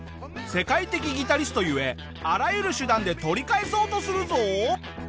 世界的ギタリストゆえあらゆる手段で取り返そうとするぞ。